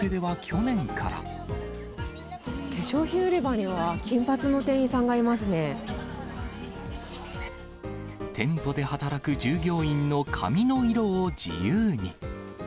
化粧品売り場には、店舗で働く従業員の髪の色を自由に。